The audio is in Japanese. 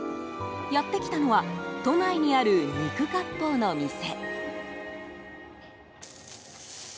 やってきたのは都内にある肉割烹の店。